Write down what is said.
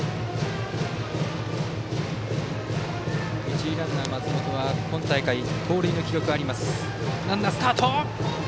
一塁ランナーの松本は今大会、盗塁の記録があります。